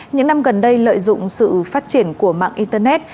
những năm gần đây lợi dụng sự phát triển của mạng internet